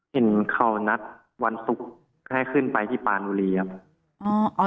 เห็นเขานัดวันศุกร์ให้ขึ้นไปที่ปานบุรีครับ